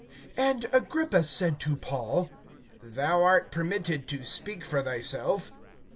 AND Agrippa said to Paul: Thou art permitted to speak for thyself.